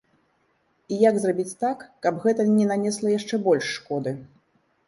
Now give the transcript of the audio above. І як зрабіць так, каб гэта не нанесла яшчэ больш шкоды?